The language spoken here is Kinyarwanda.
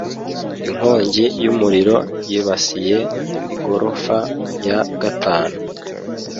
Inkongi y'umuriro yibasiye igorofa ya gatanu